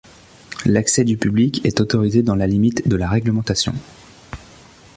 L'accès du public est autorisé dans la limite de la réglementation.